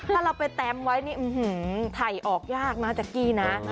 ถ้าไปแตมไว้ถ่ายออกยากนะจักกี้นะ